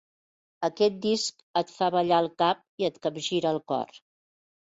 Aquest disc et fa ballar el cap i et capgira el cor.